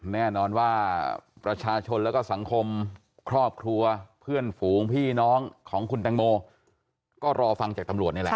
แน่นอนว่าประชาชนแล้วก็สังคมครอบครัวเพื่อนฝูงพี่น้องของคุณแตงโมก็รอฟังจากตำรวจนี่แหละ